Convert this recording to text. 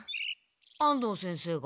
安藤先生が？